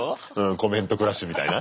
コメントクラッシュみたいな。